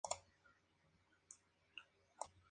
El aristócrata Torsten conoce a la propietaria Anna Holm.